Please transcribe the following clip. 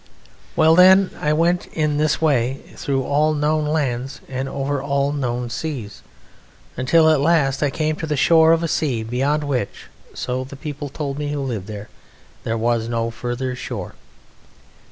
Well, then, I went in this way through all known lands and over all known seas, until at last I came to the shore of a sea beyond which (so the people told me who lived there) there was no further shore.